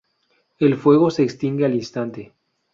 El fuego se extingue al instante.